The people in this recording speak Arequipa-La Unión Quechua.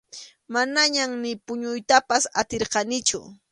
Manañam ni puñuytapas atirqanichu.